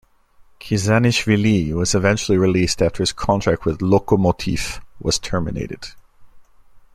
Khizanishvili was eventually released after his contract with Lokomotiv was terminated.